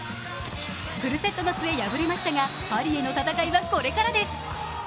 フルセットの末、敗れましたがパリへの戦いはこれからです。